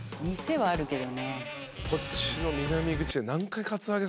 こっちの南口は。